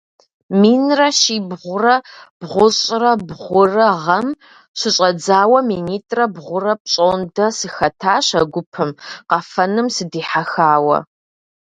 Минрэ щибгъурэ бгъущӀрэ бгъурэ гъэм щыщӀэдзауэ минитӀрэ бгъурэ пщӀондэ сыхэтащ а гупым, къэфэным сыдихьэхауэ.